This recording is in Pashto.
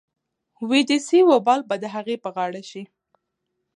وې دې سي وبال به د اغې په غاړه شي.